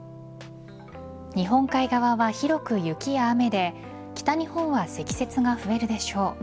日本海側は広く雪や雨で北日本は積雪が増えるでしょう。